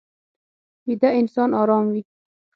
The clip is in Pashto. ویده انسان ارام وي